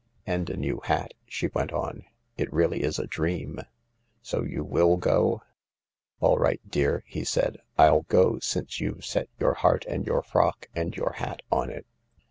"And a new hat," she went on. " It really is a dream. So you mil go ?" "AH right, dear," he said, " 111 go, since you've set your heart and your frock and your hat on it.